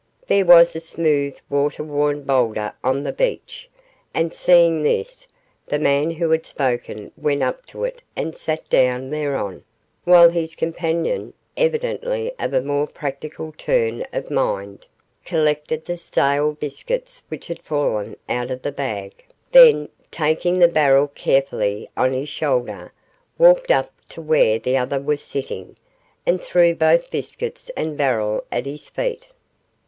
There was a smooth water worn boulder on the beach, and, seeing this, the man who had spoken went up to it and sat down thereon, while his companion, evidently of a more practical turn of mind, collected the stale biscuits which had fallen out of the bag, then, taking the barrel carefully on his shoulder, walked up to where the other was sitting, and threw both biscuits and barrel at his feet.